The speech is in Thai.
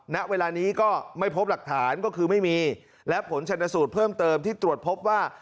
ณเวลานี้ก็ไม่พบหลักฐานก็คือไม่มีและผลชนสูตรเพิ่มเติมที่ตรวจพบว่า